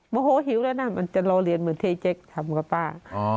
โมโหหิวแล้วนะมันจะรอเรียนเหมือนที่เจ๊กทำกับป้า